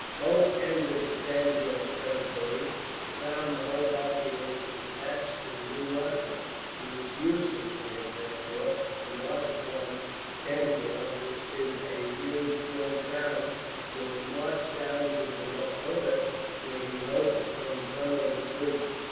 Cope entered the Tanjore territory, but found the whole population attached to the new rajah. It was useless for him, therefore, to march upon Tanjore, which is a really strong town, so he marched down to Devikota, where he hoped to find some of the fleet.